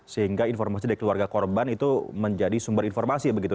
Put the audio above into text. sehingga informasi dari keluarga korban itu menjadi sumber informasi begitu